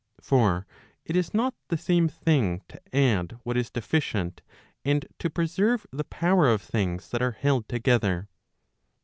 For it is not the same thing to add what is deficient, and to preserve the power of things that are held together.